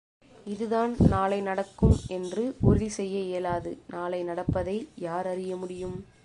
இதுதான் நாளை நடக்கும் என்று உறுதி செய்ய இயலாது நாளை நடப்பதை யார் அறிய முடியும்?